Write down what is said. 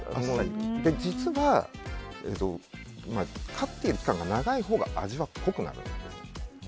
実は飼っている期間が長いほうが味は濃くなるんです。